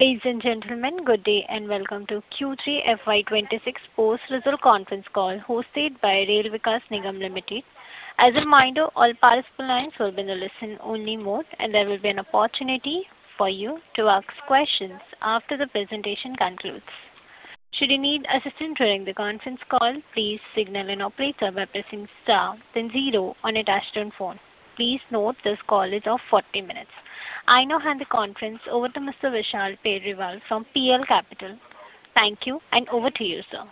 Ladies and gentlemen, good day and welcome to Q3 FY 2026 post-result conference call hosted by Rail Vikas Nigam Limited. As a reminder, all participants will be in a listen-only mode, and there will be an opportunity for you to ask questions after the presentation concludes. Should you need assistance during the conference call, please signal an operator by pressing star, then zero on your touch-tone phone. Please note this call is of 40 minutes. I now hand the conference over to Mr. Vishal Periwal from PL Capital. Thank you, and over to you, sir.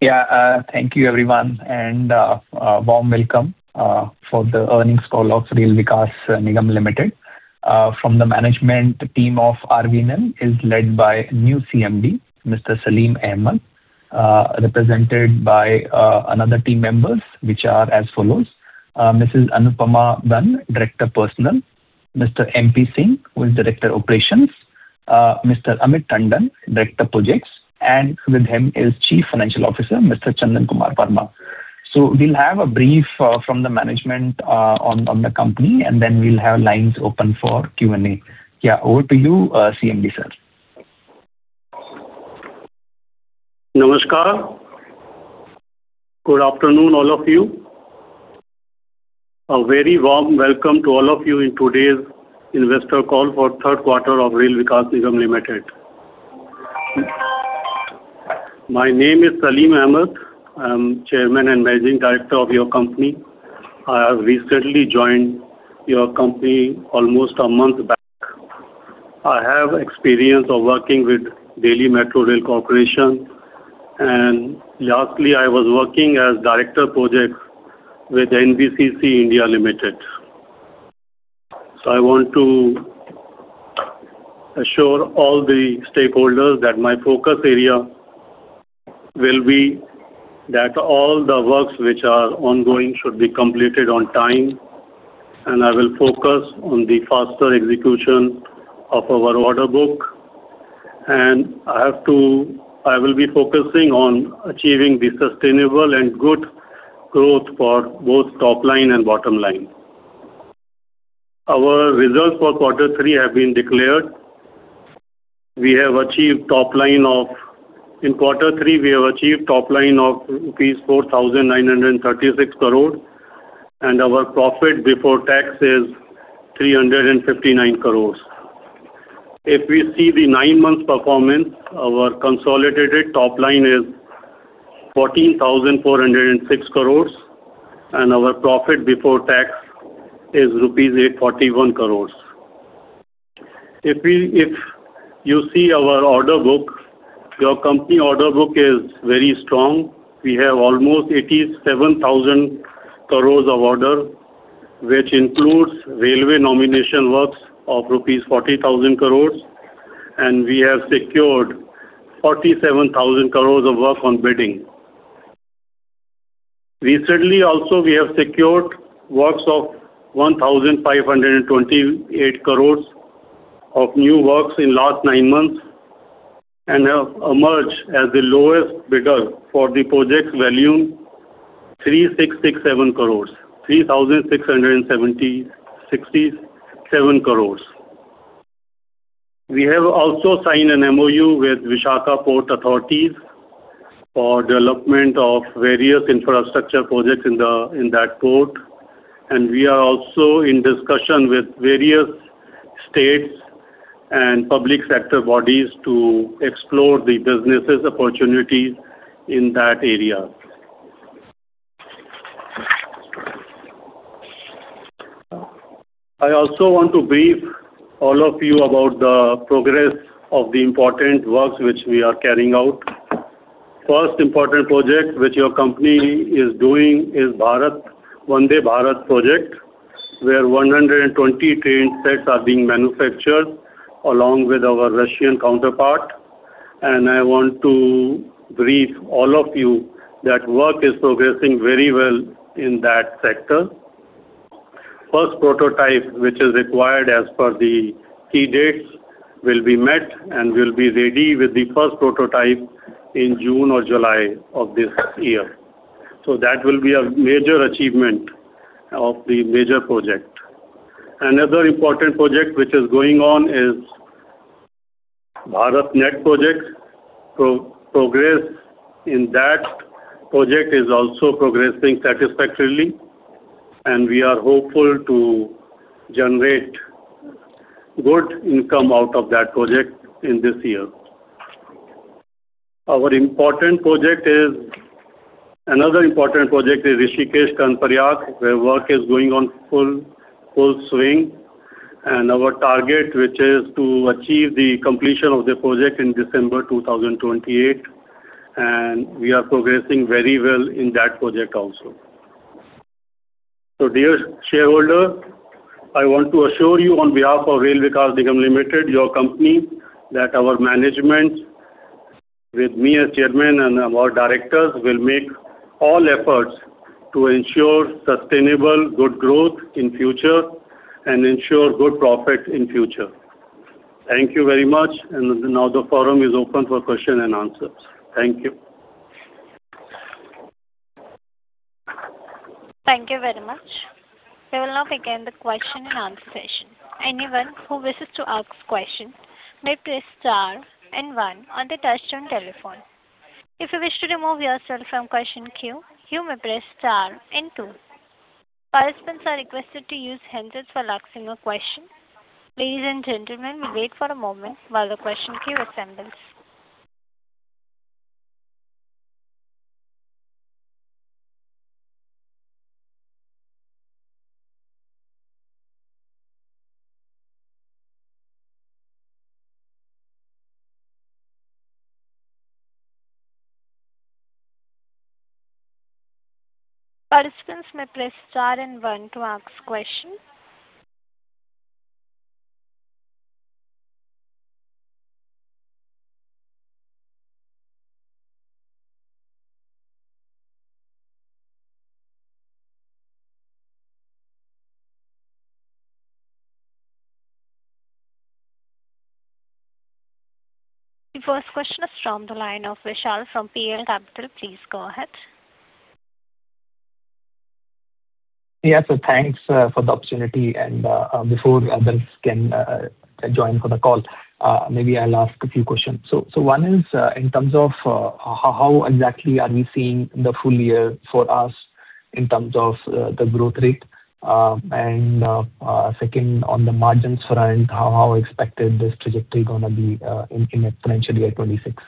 Yeah, thank you, everyone, and a warm welcome for the earnings call of Rail Vikas Nigam Limited. From the management team of RVNL is led by new CMD, Mr. Saleem Ahmad, represented by another team members which are as follows: Mr. Anupam Ban, Director Personnel; Mr. MP Singh, who is Director Operations; Mr. Amit Tandon, Director Projects; and with him is Chief Financial Officer, Mr. Chandan Kumar Verma. So we'll have a brief from the management on the company, and then we'll have lines open for Q&A. Yeah, over to you, CMD sir. Namaskar. Good afternoon, all of you. A very warm welcome to all of you in today's investor call for third quarter of Rail Vikas Nigam Limited. My name is Saleem Ahmad. I am chairman and managing director of your company. I have recently joined your company almost a month back. I have experience of working with Delhi Metro Rail Corporation, and lastly, I was working as Director Projects with NBCC (India) Limited. So I want to assure all the stakeholders that my focus area will be that all the works which are ongoing should be completed on time, and I will focus on the faster execution of our order book. I will be focusing on achieving the sustainable and good growth for both top line and bottom line. Our results for quarter three have been declared. We have achieved top line of in quarter three, we have achieved top line of 4,936 crore, and our profit before tax is 359 crore. If we see the nine months performance, our consolidated top line is 14,406 crore, and our profit before tax is rupees 841 crore. If you see our order book, your company order book is very strong. We have almost 87,000 crore of order which includes railway nomination works of rupees 40,000 crore, and we have secured 47,000 crore of work on bidding. Recently also, we have secured works of 1,528 crore of new works in the last nine months and have emerged as the lowest bidder for the project's volume, 3,667 crore. We have also signed an MOU with Visakhapatnam Port Authority for development of various infrastructure projects in that port, and we are also in discussion with various states and public sector bodies to explore the businesses' opportunities in that area. I also want to brief all of you about the progress of the important works which we are carrying out. First important project which your company is doing is Vande Bharat project, where 120 train sets are being manufactured along with our Russian counterpart. I want to brief all of you that work is progressing very well in that sector. First prototype which is required as per the key dates will be met and will be ready with the first prototype in June or July of this year. That will be a major achievement of the major project. Another important project which is going on is BharatNet project. Progress in that project is also progressing satisfactorily, and we are hopeful to generate good income out of that project in this year. Our important project is another important project is Rishikesh-Karnaprayag, where work is going on full swing. And our target which is to achieve the completion of the project in December 2028, and we are progressing very well in that project also. So dear shareholder, I want to assure you on behalf of Rail Vikas Nigam Limited, your company, that our management with me as Chairman and our Directors will make all efforts to ensure sustainable good growth in the future and ensure good profit in the future. Thank you very much, and now the forum is open for questions and answers. Thank you. Thank you very much. We will now begin the question-and-answer session. Anyone who wishes to ask a question may press star and one on the touch-tone telephone. If you wish to remove yourself from question queue, you may press star and two. Participants are requested to use handsets while asking a question. Ladies and gentlemen, we'll wait for a moment while the question queue assembles. Participants may press star and one to ask a question. The first question is from the line of Vishal from PL Capital. Please go ahead. Yeah, so thanks for the opportunity. And before others can join for the call, maybe I'll ask a few questions. So one is in terms of how exactly are we seeing the full year for us in terms of the growth rate, and second, on the margins front, how expected this trajectory is going to be in financial year 2026?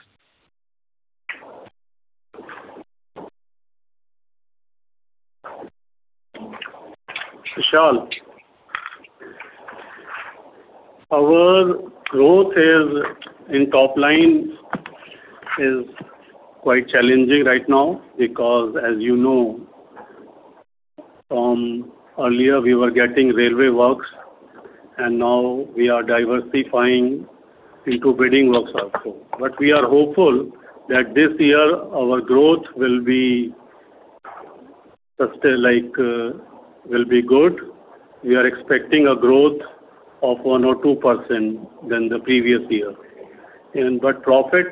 Vishal, our growth in top line is quite challenging right now because, as you know from earlier, we were getting railway works, and now we are diversifying into bidding works also. But we are hopeful that this year, our growth will be good. We are expecting a growth of 1%-2% than the previous year. But profit,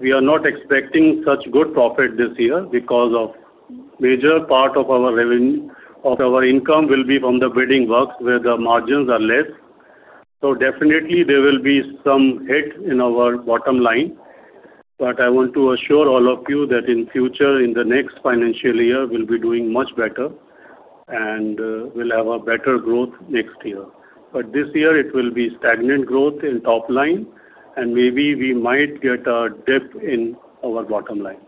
we are not expecting such good profit this year because a major part of our income will be from the bidding works where the margins are less. So definitely, there will be some hit in our bottom line. But I want to assure all of you that in the future, in the next financial year, we'll be doing much better and will have a better growth next year. But this year, it will be stagnant growth in top line, and maybe we might get a dip in our bottom line.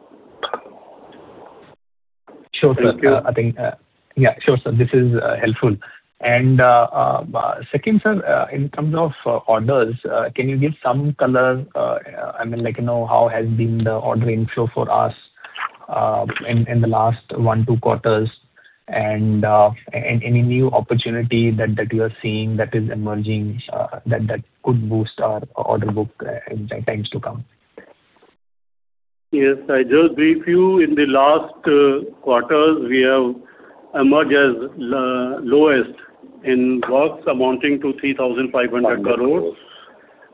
Sure, sir. Yeah, sure, sir. This is helpful. Second, sir, in terms of orders, can you give some color? I mean, how has been the order inflow for us in the last one, two quarters, and any new opportunity that you are seeing that is emerging that could boost our order book in times to come? Yes, I just brief you. In the last quarters, we have emerged as lowest in works amounting to 3,500 crore,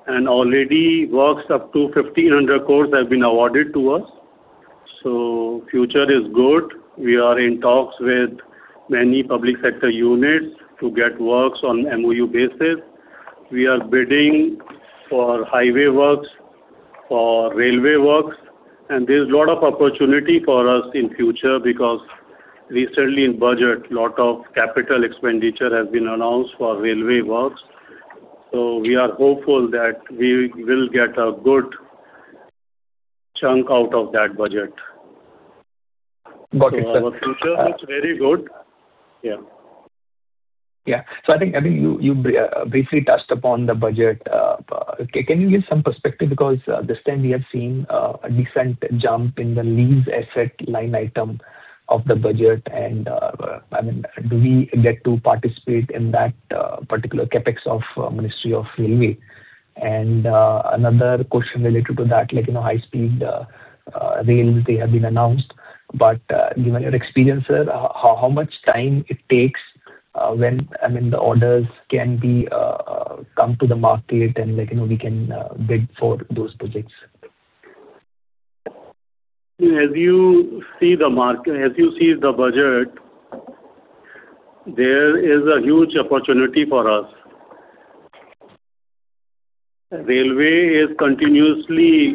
and already works up to 1,500 crore have been awarded to us. So future is good. We are in talks with many public sector units to get works on MOU basis. We are bidding for highway works, for railway works, and there's a lot of opportunity for us in the future because recently, in budget, a lot of capital expenditure has been announced for railway works. So we are hopeful that we will get a good chunk out of that budget. Got it, sir. Our future looks very good. Yeah. Yeah. So I think you briefly touched upon the budget. Can you give some perspective? Because this time, we have seen a decent jump in the lease asset line item of the budget. And I mean, do we get to participate in that particular CapEx of Ministry of Railway? And another question related to that, high-speed rails, they have been announced. But given your experience, sir, how much time it takes when, I mean, the orders can come to the market and we can bid for those projects? As you see the market, as you see the budget, there is a huge opportunity for us. Railway is continuously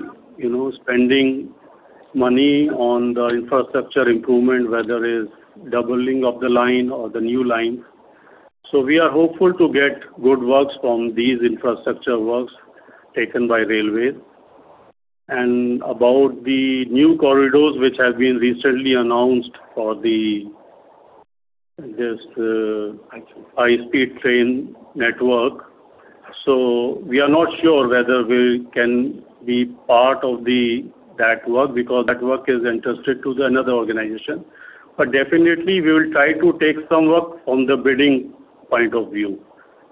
spending money on the infrastructure improvement, whether it's doubling of the line or the new line. So we are hopeful to get good works from these infrastructure works taken by railways. And about the new corridors which have been recently announced for this high-speed train network, so we are not sure whether we can be part of that work because that work is interested to another organization. But definitely, we will try to take some work from the bidding point of view.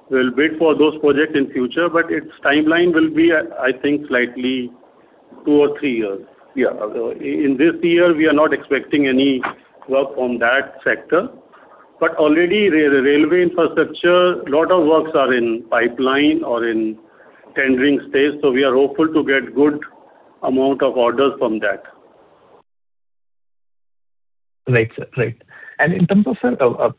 We'll bid for those projects in the future, but its timeline will be, I think, slightly 2 or 3 years. In this year, we are not expecting any work from that sector. But already, railway infrastructure, a lot of works are in pipeline or in tendering state, so we are hopeful to get a good amount of orders from that. Right, sir. Right. And in terms of, sir,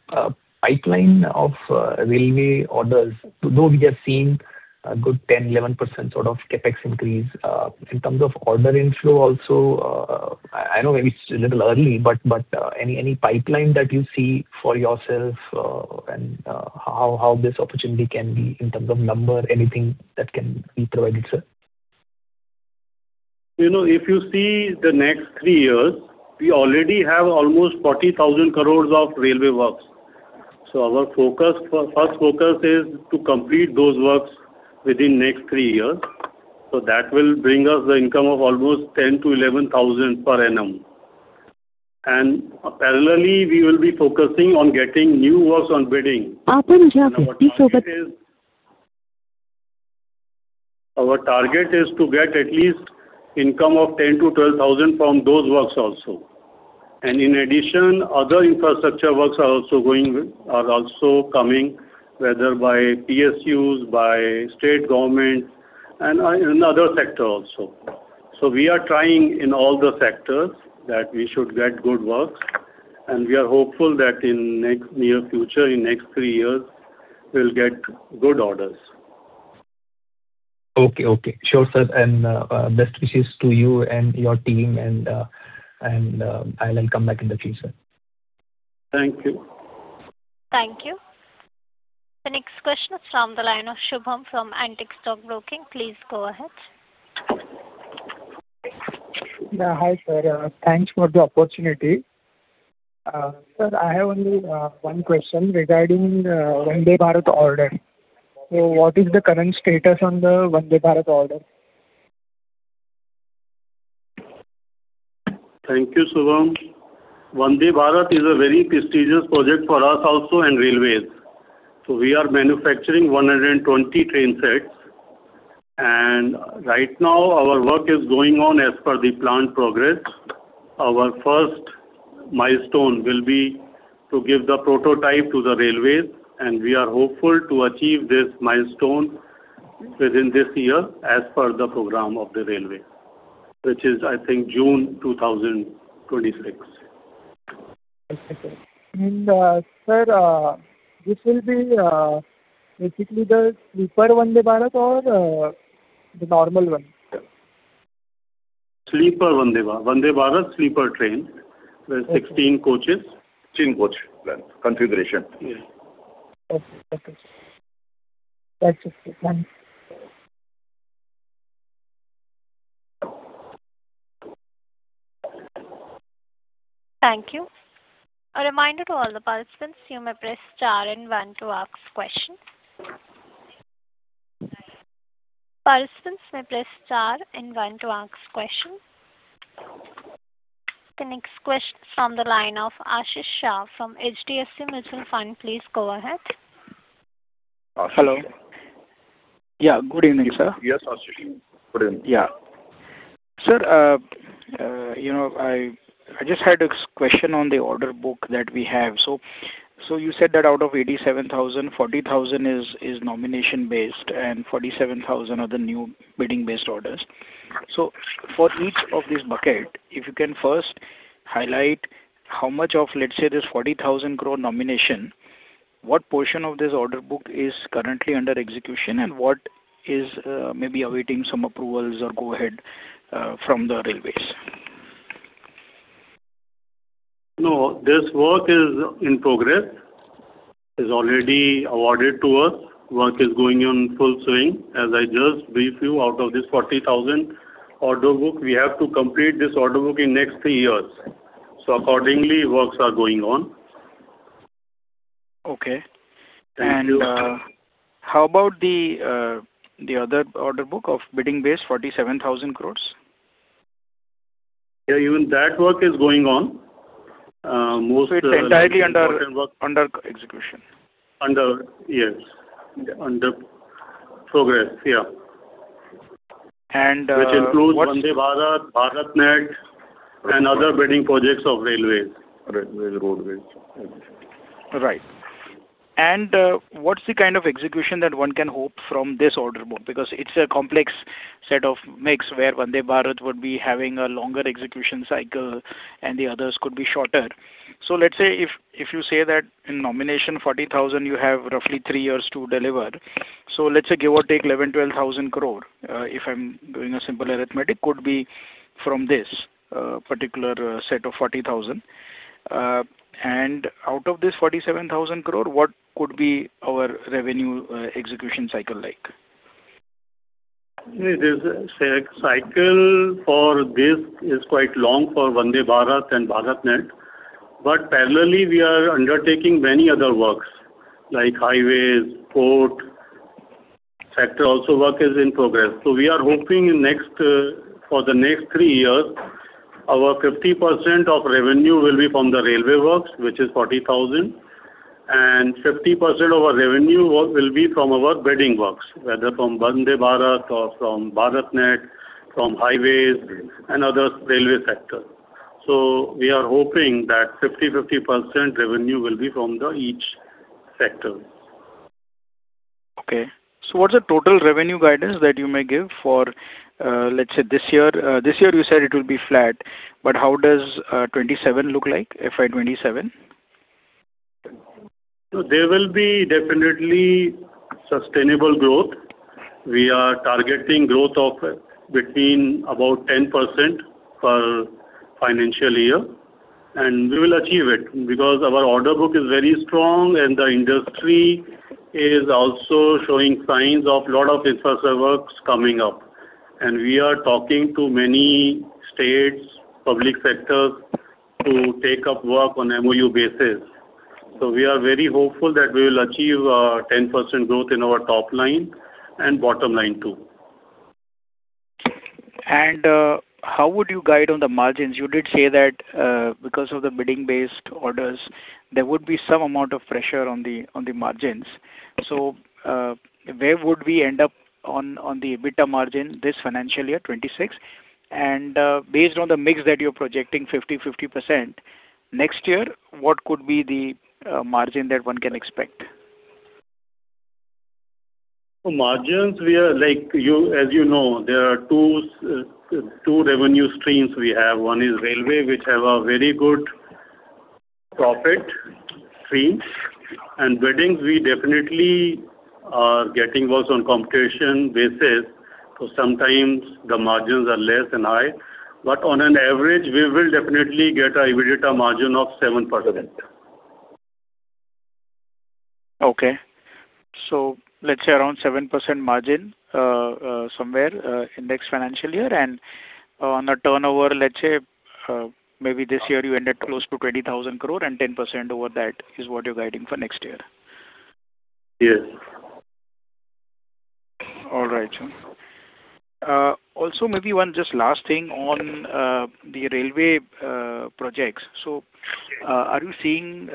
pipeline of railway orders, though we have seen a good 10%-11% sort of CapEx increase, in terms of order inflow also, I know maybe it's a little early, but any pipeline that you see for yourself and how this opportunity can be in terms of number, anything that can be provided, sir? If you see the next three years, we already have almost 40,000 crore of railway works. Our first focus is to complete those works within the next three years. That will bring us the income of almost 10,000-11,000 per annum. [Parallelly], we will be focusing on getting new works on bidding. Our target is to get at least income of 10,000-12,000 from those works also. In addition, other infrastructure works are also coming, whether by PSUs, by state government, and in other sectors also. So we are trying in all the sectors that we should get good works. We are hopeful that in the near future, in the next three years, we'll get good orders. Okay, okay. Sure, sir. And best wishes to you and your team, and I'll come back in the future. Thank you. Thank you. The next question is from the line of Shubham from Antique Stock Broking. Please go ahead. Yeah, hi, sir. Thanks for the opportunity. Sir, I have only one question regarding Vande Bharat order. So what is the current status on the Vande Bharat order? Thank you, Shubham. Vande Bharat is a very prestigious project for us also and railways. So we are manufacturing 120 train sets. And right now, our work is going on as per the planned progress. Our first milestone will be to give the prototype to the railways, and we are hopeful to achieve this milestone within this year as per the program of the railways, which is, I think, June 2026. And sir, this will be basically the Sleeper Vande Bharat or the normal one? Sleeper Vande Bharat, Sleeper train with 16 coaches. 16 coaches configuration. Okay, okay. That's it, sir. Thanks. Thank you. A reminder to all the participants, you may press star and one to ask questions. Participants, may press star and one to ask questions. The next question is from the line of Ashish Shah from HDFC Mutual Fund. Please go ahead. Hello. Yeah, good evening, sir. Yes, Ashish. Good evening. Yeah. Sir, I just had a question on the order book that we have. So you said that out of 87,000 crore, 40,000 crore is nomination-based, and 47,000 crore are the new bidding-based orders. So for each of these buckets, if you can first highlight how much of, let's say, this 40,000 crore nomination, what portion of this order book is currently under execution, and what is maybe awaiting some approvals or go ahead from the railways? No, this work is in progress. It's already awarded to us. Work is going on full swing. As I just briefed you, out of this 40,000 order book, we have to complete this order book in the next three years. Accordingly, works are going on. Okay. Thank you. And how about the other order book of bidding-based 47,000 crore? Yeah, even that work is going on. Most work. So it's entirely under execution? Yes. Under progress. Yeah. Which includes Vande Bharat, BharatNet, and other bidding projects of railways. Railways, roadways. Right. And what's the kind of execution that one can hope from this order book? Because it's a complex set of mix where Vande Bharat would be having a longer execution cycle, and the others could be shorter. So let's say if you say that in nomination 40,000 crore, you have roughly three years to deliver. So let's say give or take 11,000 crore-12,000 crore, if I'm doing a simple arithmetic, could be from this particular set of 40,000 crore. And out of this 47,000 crore, what could be our revenue execution cycle like? The cycle for this is quite long for Vande Bharat and BharatNet. But parallelly, we are undertaking many other works like highways, port, sector. Also, work is in progress. So we are hoping for the next three years, our 50% of revenue will be from the railway works, which is 40,000. And 50% of our revenue will be from our bidding works, whether from Vande Bharat or from BharatNet, from highways, and other railway sectors. So we are hoping that 50%, 50% revenue will be from each sector. Okay. So what's the total revenue guidance that you may give for, let's say, this year? This year, you said it will be flat, but how does 2027 look like, FY 2027? There will be definitely sustainable growth. We are targeting growth of between about 10% per financial year. We will achieve it because our order book is very strong, and the industry is also showing signs of a lot of infrastructure works coming up. We are talking to many states, public sectors to take up work on MOU basis. We are very hopeful that we will achieve 10% growth in our top line and bottom line too. How would you guide on the margins? You did say that because of the bidding-based orders, there would be some amount of pressure on the margins. So where would we end up on the EBITDA margin this financial year, 2026? And based on the mix that you're projecting, 50%-50%, next year, what could be the margin that one can expect? Margins, as you know, there are two revenue streams we have. One is railway, which have a very good profit stream. Biddings, we definitely are getting works on competition basis. Sometimes the margins are less than high. On an average, we will definitely get an EBITDA margin of 7%. Okay. So let's say around 7% margin somewhere in this financial year. And on the turnover, let's say maybe this year you ended close to 20,000 crore, and 10% over that is what you're guiding for next year? Yes. All right, sir. Also, maybe one just last thing on the railway projects. So are you seeing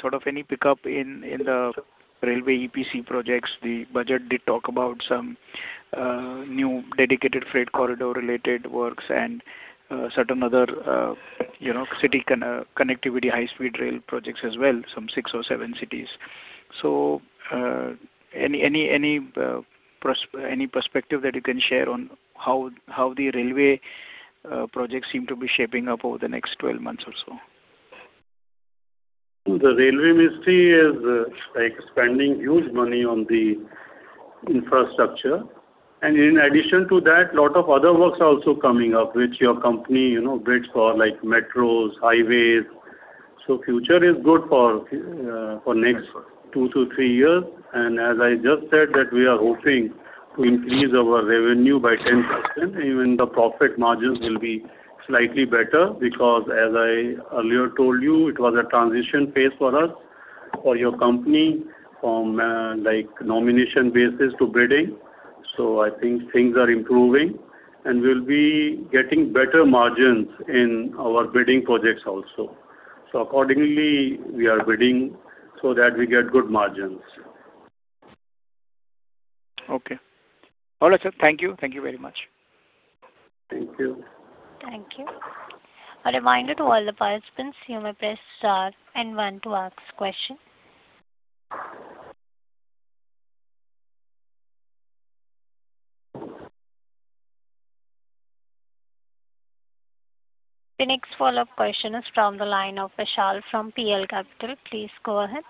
sort of any pickup in the railway EPC projects? The budget did talk about some new Dedicated Freight Corridor-related works and certain other city connectivity high-speed rail projects as well, some six or seven cities. So any perspective that you can share on how the railway projects seem to be shaping up over the next 12 months or so? The railway ministry is spending huge money on the infrastructure. In addition to that, a lot of other works are also coming up, which your company bids for, like metros, highways. Future is good for next 2 years-3 years. As I just said, we are hoping to increase our revenue by 10%. Even the profit margins will be slightly better because, as I earlier told you, it was a transition phase for us, for your company, from nomination basis to bidding. I think things are improving and we'll be getting better margins in our bidding projects also. Accordingly, we are bidding so that we get good margins. Okay. All right, sir. Thank you. Thank you very much. Thank you. Thank you. A reminder to all the participants, you may press star and one to ask question. The next follow-up question is from the line of Vishal from PL Capital. Please go ahead.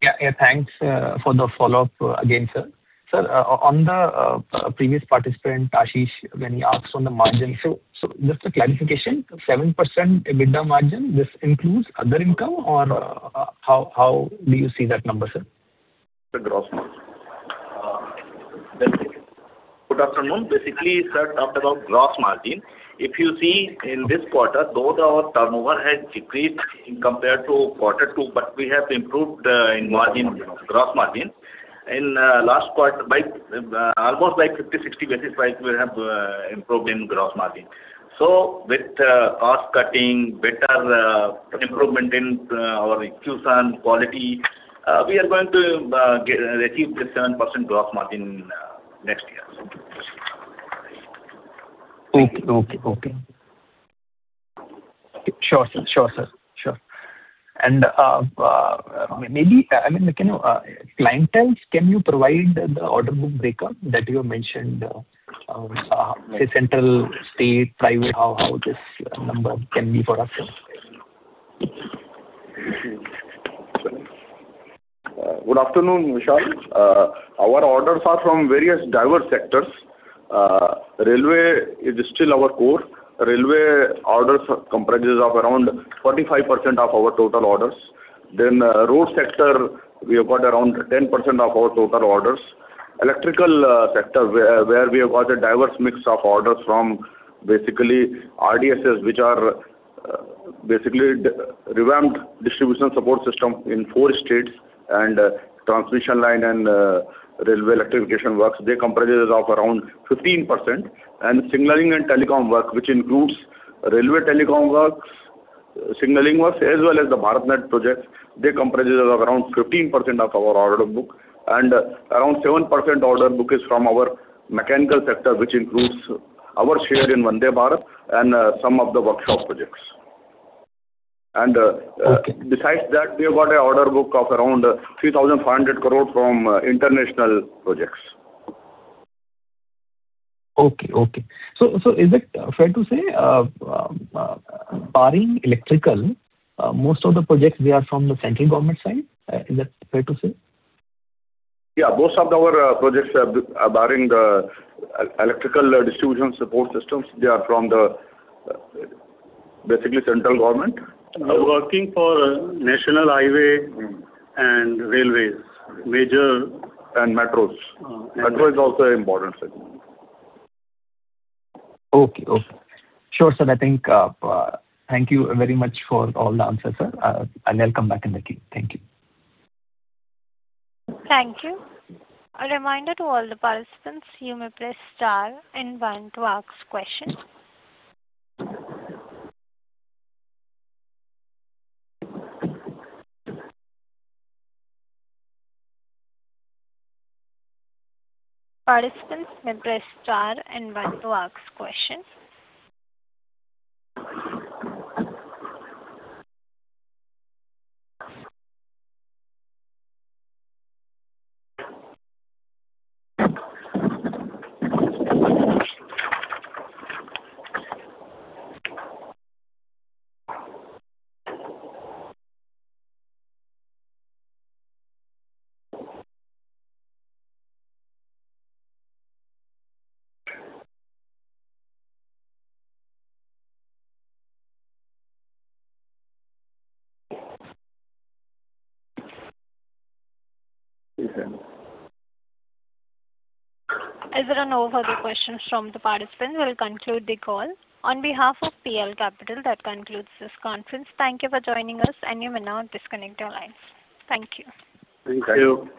Yeah, yeah, thanks for the follow-up again, sir. Sir, on the previous participant, Ashish, when he asked on the margin, so just a clarification, 7% EBITDA margin, this includes other income, or how do you see that number, sir? The gross margin. Good afternoon. Basically, sir talked about gross margin. If you see in this quarter, though our turnover has decreased compared to quarter two, but we have improved in gross margin. Almost by 50 basis point-60 basis point, we have improved in gross margin. So with cost cutting, better improvement in our execution, quality, we are going to achieve this 7% gross margin next year. Okay, okay, okay. Sure, sir. Sure, sir. Sure. And maybe, I mean, can you elaborate, can you provide the order book breakdown that you mentioned, say central, state, private, how this number can be for us, sir? Good afternoon, Vishal. Our orders are from various diverse sectors. Railway is still our core. Railway orders comprises of around 45% of our total orders. Then road sector, we have got around 10% of our total orders. Electrical sector, where we have got a diverse mix of orders from basically RDSS, which are basically revamped distribution support system in four states, and transmission line and railway electrification works, they comprises of around 15%. And signaling and telecom work, which includes railway telecom work, signaling work, as well as the BharatNet projects, they comprises of around 15% of our order book. And around 7% order book is from our mechanical sector, which includes our share in Vande Bharat and some of the workshop projects. And besides that, we have got an order book of around 3,500 crore from international projects. Okay, okay. So is it fair to say barring electrical, most of the projects, they are from the central government side? Is that fair to say? Yeah, most of our projects barring the Revamp Distribution Support systems, they are from basically central government. Working for national highway and railways, major. And metros. Metro is also important, sir. Okay, okay. Sure, sir. Thank you very much for all the answers, sir. I'll come back in the queue. Thank you. Thank you. A reminder to all the participants, you may press star and one to ask questions. Participants, may press star and one to ask questions. Is there an overview question from the participants? We'll conclude the call. On behalf of PL Capital, that concludes this conference. Thank you for joining us, and you may now disconnect your lines. Thank you. Thank you.